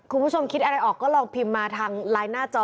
คุณผู้ชมคิดอะไรออกก็ลองพิมพ์มาทางไลน์หน้าจอ